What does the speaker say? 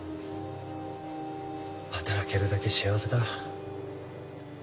働けるだけ幸せだ。